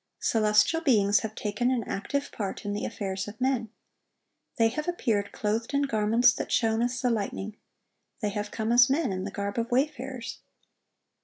Celestial beings have taken an active part in the affairs of men. They have appeared clothed in garments that shone as the lightning; they have come as men, in the garb of wayfarers.